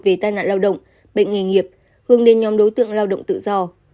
về tai nạn lao động bệnh nghề nghiệp hướng đến nhóm đối tượng lao động tự do